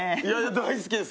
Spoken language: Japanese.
大好きです。